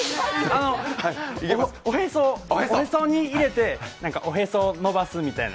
おへそに入れておへそ、伸ばすみたいな。